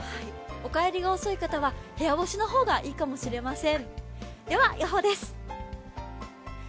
お帰りが遅い方は部屋干しの方がいいかもしれません。